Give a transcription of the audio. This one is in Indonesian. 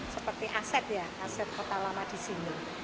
seperti aset ya aset kota lama di sini